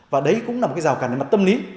và đấy cũng là một cái rào cản về mặt tâm lý